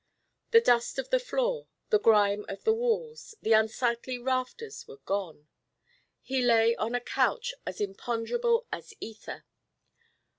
The dust of the floor, the grime of the walls, the unsightly rafters were gone. He lay on a couch as imponderable as ether.